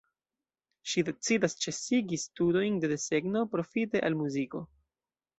Ŝi decidas ĉesigi studojn de desegno profite al muziko.